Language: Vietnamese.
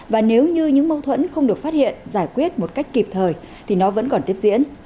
và nếu như những mâu thuẫn không được phát hiện giải quyết một cách kịp thời thì nó vẫn còn tiếp diễn